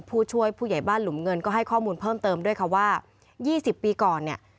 ผู้ช่วยผู้ใหญ่บ้านหลุมเงินก็ให้ข้อมูลเพิ่มเติมด้วยค่ะว่า๒๐ปีก่อนเนี่ย